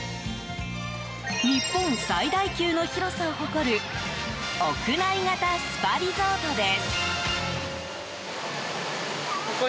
日本最大級の広さを誇る屋内型スパリゾートです。